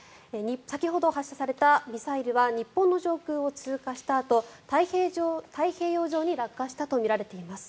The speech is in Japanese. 先ほど発射されたミサイルは日本の上空を通過したあと太平洋上に落下したとみられています。